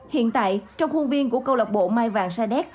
hiện tại trong khuôn viên của câu lạc bộ mai vàng sa đéc